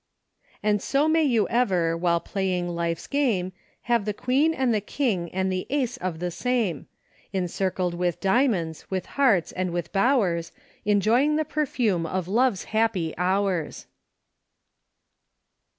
" And so may you ever, while playing life's game, Have the Queen and the King and the Ace of the same ; Encircled with Diamonds, with Hearts, and with Bowers, Enjoying the perfume of love's happy hours.'